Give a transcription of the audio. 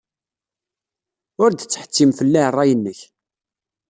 Ur d-ttḥettim fell-i ṛṛay-nnek.